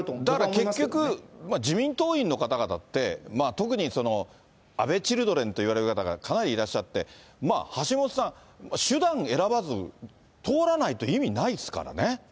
結局、自民党員の方々って、特に安倍チルドレンといわれる方がかなりいらっしゃって、橋下さん、手段選ばず、通らないと意味ないですからね。